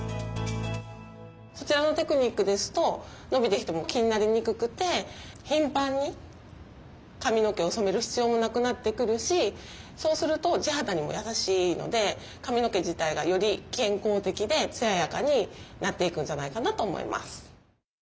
そちらのテクニックですと伸びてきても気になりにくくて頻繁に髪の毛を染める必要もなくなってくるしそうすると地肌にも優しいので髪の毛自体がより健康的で艶やかになっていくんじゃないかなと思います。